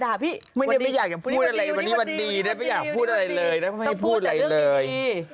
ท่านอยากให้พูดอะไรเลย